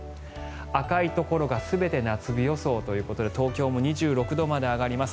赤いところが全て夏日予想ということで東京も２６度まで上がります。